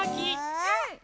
うん！